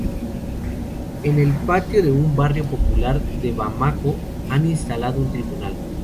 En el patio de un barrio popular de Bamako, han instalado un tribunal.